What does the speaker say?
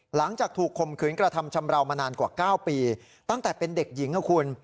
หลังจากถูกคมขืนกระทำชำราวมานานกว่า๙ปีตั้งแต่เป็นเด็กหญิงนะคุณ